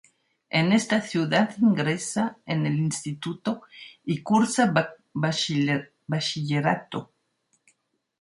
En esta ciudad ingresa en el instituto y cursa bachillerato.